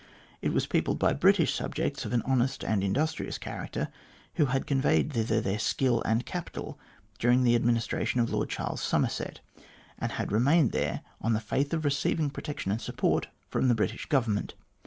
It was peopled by British subjects of an honest and in dustrious character, who had conveyed thither their skill and capital during the administration of Lord Charles Somerset, and had remained there on the faith of receiving protection and support from the British Government.